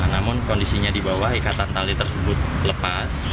namun kondisinya di bawah ikatan tali tersebut lepas